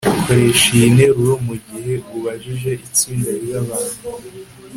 koresha iyi nteruro mugihe ubajije itsinda ryabantu